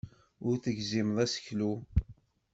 Ur tegzimeḍ aseklu.